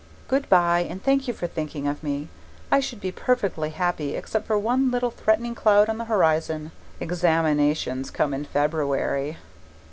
Goodbye, and thank you for thinking of me I should be perfectly happy except for one little threatening cloud on the horizon. Examinations come in February.